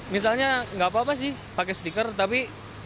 misalnya nggak apa apa sih pakai stiker tapi